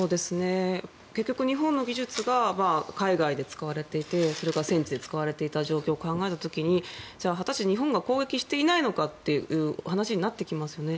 結局、日本の技術が海外で使われていてそれが戦地で使われていた状況を考えた時にじゃあ果たして日本が攻撃していないのかって話になってきますよね。